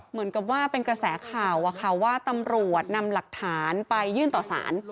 เหมือนกับว่าเป็นกระแสข่าวว่าตำรวจนำหลักฐานไปยื่นต่อสาร